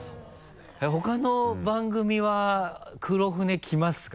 ほかの番組は黒船来ますか？